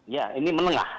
ya ini menengah